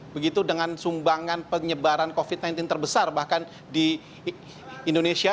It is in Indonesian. begitu dengan sumbangan penyebaran covid sembilan belas terbesar bahkan di indonesia